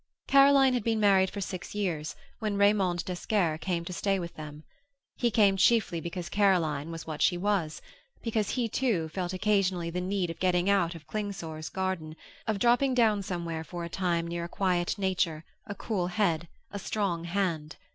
Caroline had been married for six years when Raymond d'Esquerre came to stay with them. He came chiefly because Caroline was what she was; because he, too, felt occasionally the need of getting out of Klingsor's garden, of dropping down somewhere for a time near a quiet nature, a cool head, a strong hand.